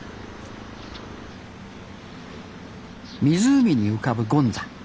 湖に浮かぶ権座。